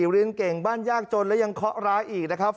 เรียนเก่งบ้านยากจนและยังเคาะร้ายอีกนะครับ